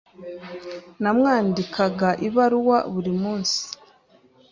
Namwandikaga ibaruwa buri munsi.